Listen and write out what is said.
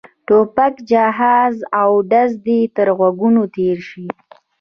ټوپک جهاز او ډز دې تر غوږو تېر شي.